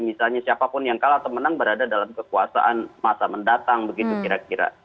misalnya siapapun yang kalah atau menang berada dalam kekuasaan masa mendatang begitu kira kira